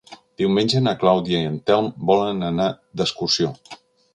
Diumenge na Clàudia i en Telm volen anar d'excursió.